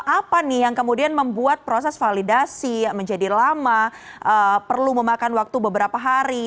apa nih yang kemudian membuat proses validasi menjadi lama perlu memakan waktu beberapa hari